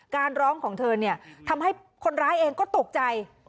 การร้องของเธอเนี่ยทำให้คนร้ายเองก็ตกใจ